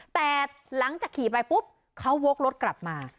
แต่หลังจากขี่ไปปุ๊บเขาวกรถกลับมา